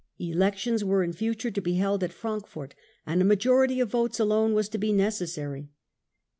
Elections were in future to be held at Frankfort, and a majority of votes alone was to be necessary.